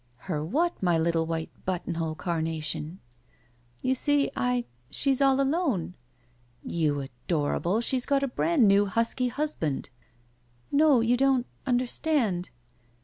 Her what, my little white buttonhole carna tion?" . "Yousee I— She's all alone/' ''You adorable, she's got a brand new husky husband." "No — you don't — understand."